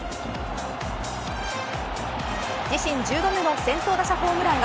自身１０度目の先頭打者ホームラン。